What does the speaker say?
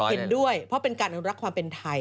เห็นด้วยเพราะเป็นการอนุรักษ์ความเป็นไทย